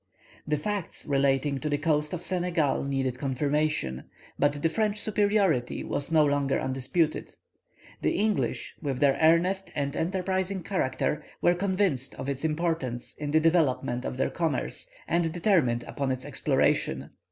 The facts relating to the coast of Senegal needed confirmation, but the French superiority was no longer undisputed. The English, with their earnest and enterprising character, were convinced of its importance in the development of their commerce, and determined upon its exploration.